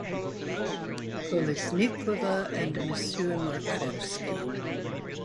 Kolesnikova, and M. Markovsky.